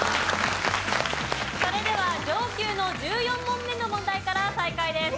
それでは上級の１４問目の問題から再開です。